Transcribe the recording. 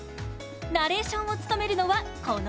ナレーションを務めるのはこの方。